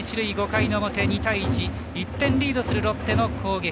５回の表１点リードするロッテの攻撃。